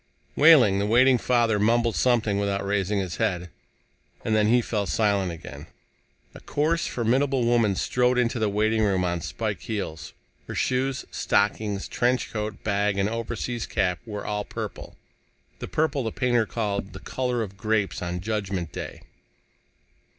Wehling, the waiting father, mumbled something without raising his head. And then he fell silent again. A coarse, formidable woman strode into the waiting room on spike heels. Her shoes, stockings, trench coat, bag and overseas cap were all purple, the purple the painter called "the color of grapes on Judgment Day."